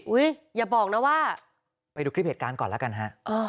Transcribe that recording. อย่าบอกนะว่าไปดูคลิปเหตุการณ์ก่อนแล้วกันฮะ